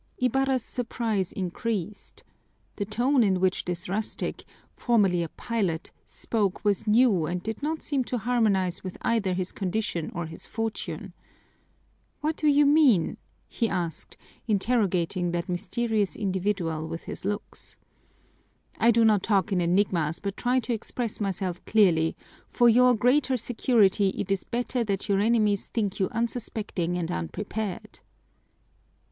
Ibarra's surprise increased. The tone in which this rustics formerly a pilot spoke was new and did not seem to harmonize with either his condition or his fortune. "What do you mean?" he asked, interrogating that mysterious individual with his looks. "I do not talk in enigmas but try to express myself clearly; for your greater security, it is better that your enemies think you unsuspecting and unprepared."